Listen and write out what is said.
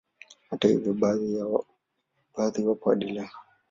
Hata hivyo baadhi wapo hadi leo